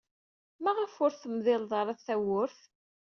Maɣef ur temdiled ara tawwurt?